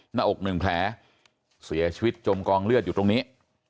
หน้าอกหนึ่งแผลเสียชีวิตจมกองเลือดอยู่ตรงนี้